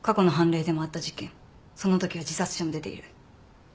そのときは自殺者も出ている。